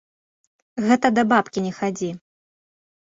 Гэта да бабкі не хадзі!